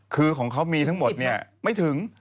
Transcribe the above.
คือของเขามีทั้งหมดเนี่ยไม่ถึง